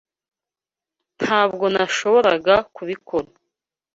Ntabwo nashoboraga kubikora.